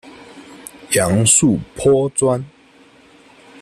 杨素颇专。